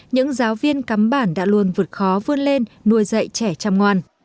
những giáo viên cắm bản đã luôn vượt khó vươn lên nuôi dạy trẻ chăm ngoan